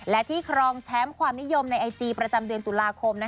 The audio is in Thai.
และที่ครองแชมป์ความนิยมในไอจีประจำเดือนตุลาคม